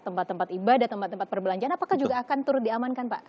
tempat tempat ibadah tempat tempat perbelanjaan apakah juga akan turut diamankan pak